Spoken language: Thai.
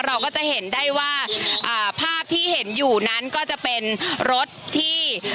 เราก็จะเห็นได้ว่าภาพที่เห็นอยู่นั้นก็จะเป็นรถที่